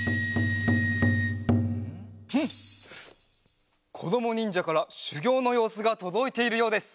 んっこどもにんじゃからしゅぎょうのようすがとどいているようです。